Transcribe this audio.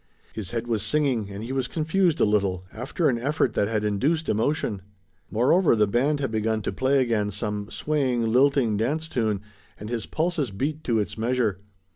His head was singing, and he was confused a little, after an effort that had induced emotion. Moreover, the band had begun to play again some swaying, lilting dance tune, and his pulses beat to its measure.